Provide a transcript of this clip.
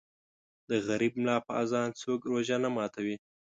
د غریب ملا په اذان څوک روژه نه ماتوي.